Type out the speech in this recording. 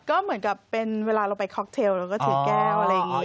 ก็เหมือนกับเป็นเวลาเราไปค็อกเทลเราก็ถือแก้วอะไรอย่างนี้